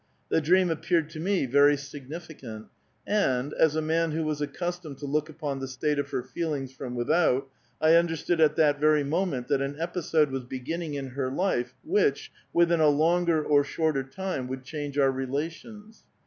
The dream appeared to me very significant; and, as a man who was accustomed to look upon the state of her feelings from without, I understood at that veiT moment that an episode was beginning in her life which, within a longer or shorter time, would change our relations.